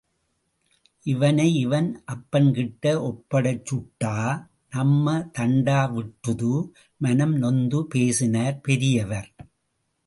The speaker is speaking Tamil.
இவனை இவன் அப்பன்கிட்ட ஒப்படைச்சுட்டா, நம்ம தண்டா விட்டுது!... மனம் நொந்து பேசினார் பெரியவர்.